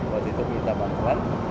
waktu itu minta pantulan